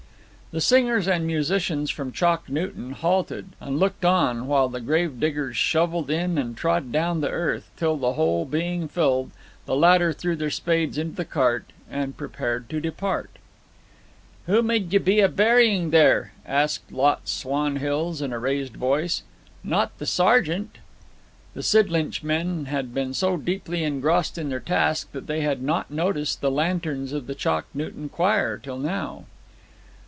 The singers and musicians from Chalk Newton halted, and looked on while the gravediggers shovelled in and trod down the earth, till, the hole being filled, the latter threw their spades into the cart, and prepared to depart. 'Who mid ye be a burying there?' asked Lot Swanhills in a raised voice. 'Not the sergeant?' The Sidlinch men had been so deeply engrossed in their task that they had not noticed the lanterns of the Chalk Newton choir till now.